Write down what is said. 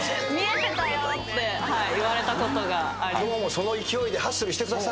その勢いでハッスルしてください。